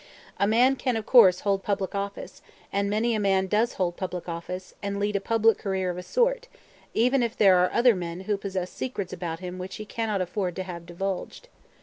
A man can of course hold public office, and many a man does hold public office, and lead a public career of a sort, even if there are other men who possess secrets about him which he cannot afford to have divulged.